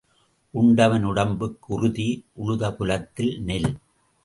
உண்டவன் உடம்புக்கு உறுதி, உழுத புலத்தில் நெல்.